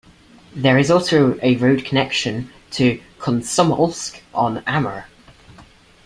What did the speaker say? There is also a road connection to Komsomolsk-on-Amur.